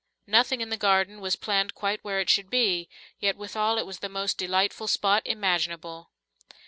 Nothing in the garden was planted quite where it should be, yet withal it was the most delightful spot imaginable.